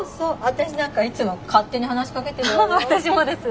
私なんかいつも勝手に話しかけてるわよ。